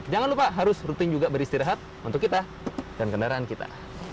jangan lupa harus rutin juga beristirahat untuk kita dan kendaraan kita